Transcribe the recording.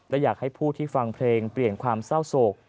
และอยากให้ผู้ที่ฟังเพลงเปลี่ยนความเศร้าโศก